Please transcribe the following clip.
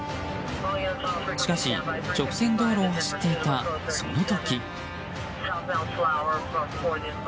しかし、直線道路を走っていたその時。